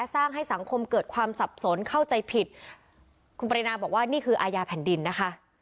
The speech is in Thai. สร้างให้สังคมเกิดความสับสนเข้าใจผิดคุณปรินาบอกว่านี่คืออาญาแผ่นดินนะคะ